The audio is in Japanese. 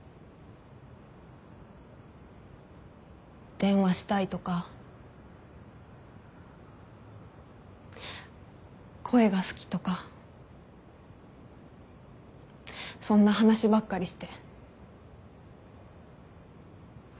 電話したいとか声が好きとかそんな話ばっかりして。